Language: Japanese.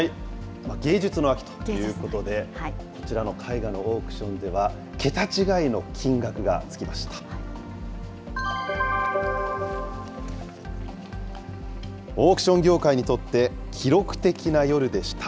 芸術の秋ということで、こちらの海外のオークションでは、桁違いの金額が付きました。